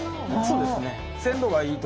そうですね。